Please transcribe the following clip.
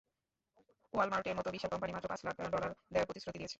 ওয়ালমার্টের মতো বিশাল কোম্পানি মাত্র পাঁচ লাখ ডলার দেওয়ার প্রতিশ্রুতি দিয়েছে।